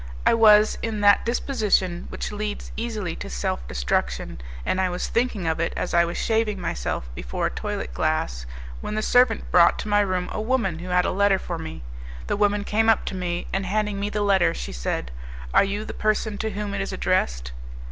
I was in that disposition which leads easily to self destruction, and I was thinking of it as I was shaving myself before a toilet glass, when the servant brought to my room a woman who had a letter for me. The woman came up to me, and, handing me the letter, she said, "Are you the person to whom it is addressed?"